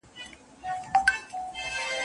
وریځو خو ژړله نن اسمان راسره وژړل.